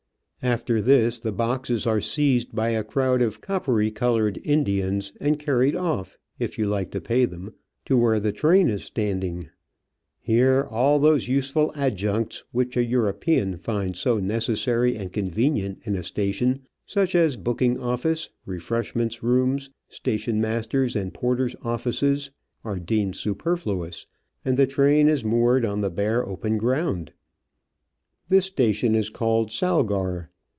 After this the boxes are seized by a crowd of coppery coloured Indians and carried off, if you like to pay them, to where the train is standing. Here all those useful adjuncts which a European finds so necessary and convenient in a station, such as booking office, refreshment rooms, stationmaster's and porters' offices, are deemed superfluous, and the train is moored on the bare open ground. This station is called Salgar.